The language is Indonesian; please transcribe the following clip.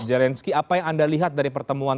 zelensky apa yang anda lihat dari pertemuan